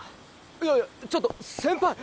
いやちょっと先輩。